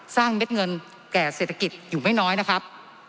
เม็ดเงินแก่เศรษฐกิจอยู่ไม่น้อยนะครับ